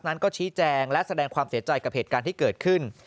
นั้นก็ชี้แจงและแสดงความเสียใจกับเหตุการณ์ที่เกิดขึ้น